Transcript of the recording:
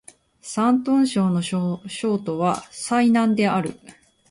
山東省の省都は済南である